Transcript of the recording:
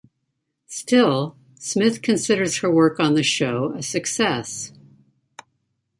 Still, Smith considers her work on the show a success.